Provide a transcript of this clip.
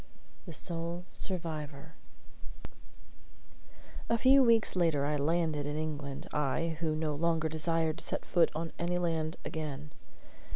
THE SOLE SURVIVOR A few weeks later I landed in England, I, who no longer desired to set foot on any land again.